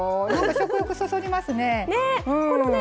食欲そそりますね。